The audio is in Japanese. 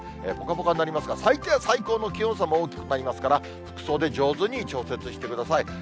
ぽかぽかになりますが、最低や最高の気温差も大きくなりますから、服装で上手に調節してください。